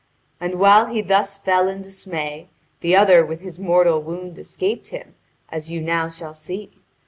And while he thus fell in dismay, the other with his mortal wound escaped him, as you now shall see.